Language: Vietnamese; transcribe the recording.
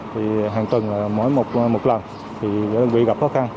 thì hàng tuần là mỗi một lần thì đơn vị gặp khó khăn